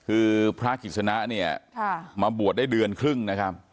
คือพระกิจสนะเนี่ยมาบวชได้เดือนครึ่งนะครับ